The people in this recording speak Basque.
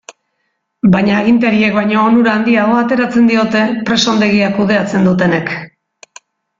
Baina agintariek baino onura handiagoa ateratzen diote presondegia kudeatzen dutenek.